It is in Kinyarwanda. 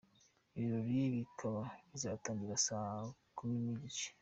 Ibirori bikaba bizatangira saa kumi n’Igice.